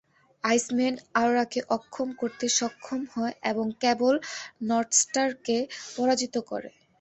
Iceman অরোরাকে অক্ষম করতে সক্ষম হয় এবং ক্যাবল নর্থস্টারকে পরাজিত করে।